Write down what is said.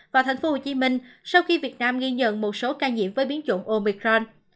và tp hcm sau khi việt nam ghi nhận một số ca nhiễm với biến chủng omicron